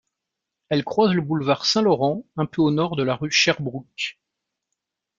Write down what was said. Elle croise le boulevard Saint-Laurent, un peu au nord de la rue Sherbrooke.